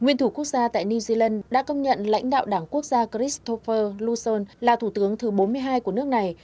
nguyên thủ quốc gia tại new zealand đã công nhận lãnh đạo đảng quốc gia christopher luxon là thủ tướng thứ bốn mươi hai của nước này